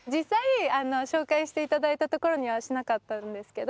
紹介していただいた所にはしなかったんですけど。